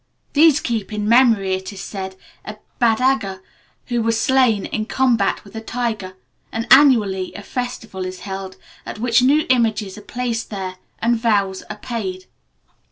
These keep in memory, it is said, a Badaga who was slain in combat with a tiger; and annually a festival is held, at which new images are placed there, and vows are paid.